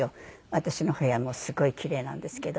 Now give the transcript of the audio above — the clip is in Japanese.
私の部屋もすごいキレイなんですけど。